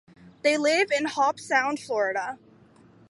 They live in Hobe Sound, Florida.